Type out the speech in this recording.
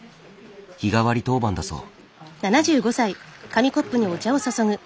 日替わり当番だそう。